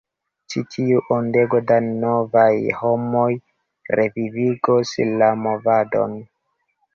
Ĉi tiu ondego da novaj homoj revivigos la movadon!